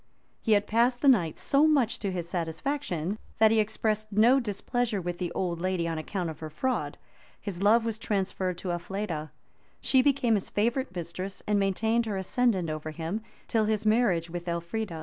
He had passed a night so much to his satisfaction, that he expressed no displeasure with the old lady on account of her fraud; his love was transferred to Elfleda; she became his favorite mistress, and maintained her ascendant over him, till his marriage with Elfrida.